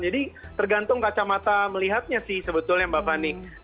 jadi tergantung kacamata melihatnya sih sebetulnya mbak fani